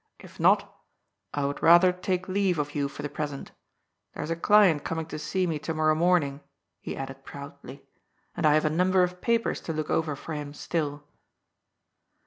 If not, I would rather take leave of you for the present There's a client coming to see me to mor row morning," he added proudly, " and I have a number of papers to look over for him still."